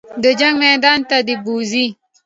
د جنګ میدان ته دې بوځي.